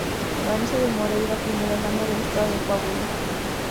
Vanessa De Moreira, Primera Dama del Estado de Coahuila.